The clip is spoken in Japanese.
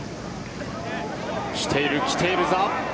来ている、来ているぞ！